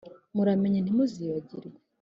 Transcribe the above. Muramenye ntimuzibagirwe